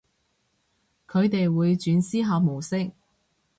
佢哋會轉思考模式